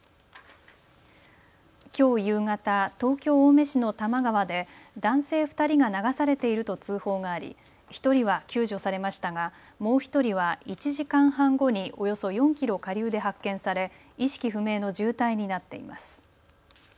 きょう夕方、東京青梅市の多摩川で男性２人が流されていると通報があり、１人は救助されましたがもう１人は１時間半後におよそ４キロ下流で発見され意識不明の重体になっています。